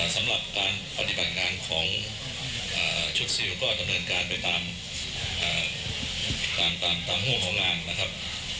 สำหรับการปฏิบัติงานของชุดซิลก็ดำเนินการไปตามห่วงของงานนะครับ